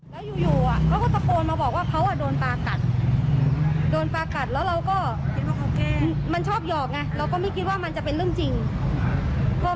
แล้วก็มาที่โรงพยาบาลแหลมงอบ